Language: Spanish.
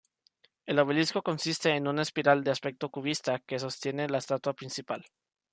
El obelisco consiste en una espiral de aspecto cubista que sostiene la estatua principal.